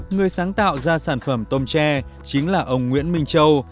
người sáng tạo ra sản phẩm tôm tre chính là ông nguyễn minh châu